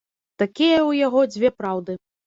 Такія ў яго дзве праўды.